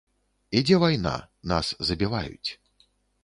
Ідзе вайна, нас забіваюць.